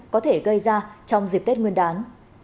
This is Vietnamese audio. có thể gây ra trong dịp tết nguyên đán